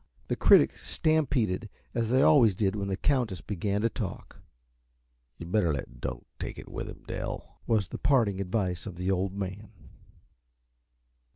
The critics stampeded, as they always did when the Countess began to talk. "You better let Dunk take it with him, Dell," was the parting advice of the Old Man.